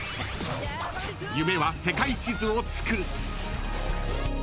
［夢は世界地図を作る］